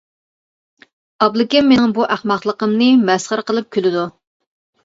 ئابلىكىم مېنىڭ بۇ ئەخمەقلىقىمنى مەسخىرە قىلىپ كۈلىدۇ.